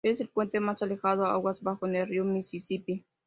Es el puente más alejado aguas abajo en el río Misisipi.